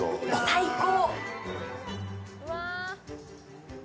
最高！